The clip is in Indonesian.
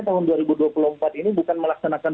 tahun dua ribu dua puluh empat ini bukan melaksanakan